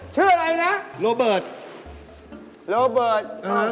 ชื่ออะไรนะโรเบิร์ตโรเบิร์ต